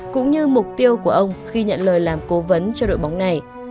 cũng như mục tiêu của ông khi nhận lời làm cố vấn cho đội bóng này